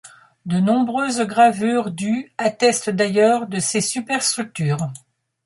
De nombreuses gravures du attestent d'ailleurs de ces superstructures.